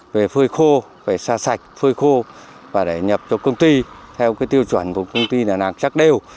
về phơi khô về xa sạch phơi khô và để nhập cho công ty theo cái tiêu chuẩn của công ty là làm chắc đều